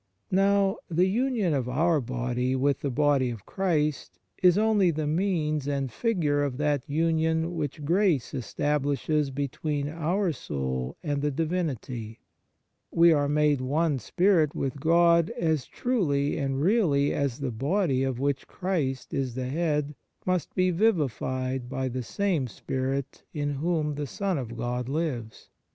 Now, the union of our body with the Body of Christ is only the means and figure of that union which grace estab 1 i Cor. x. 17. 2 John vi. 57. 3 JohrTxv. 5. ON THE SUBLIME UNION WITH GOD lishes between our soul and the Divinity. We are made one spirit with God as truly and really as the Body of which Christ is the Head must be vivified by the same Spirit in whom the Son of God lives.